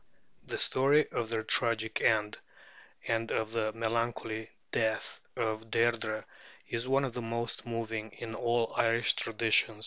The story of their tragic end, and of the melancholy death of Deirdrê, is one of the most moving in all Irish tradition.